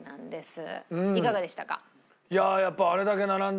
いかがでしたか？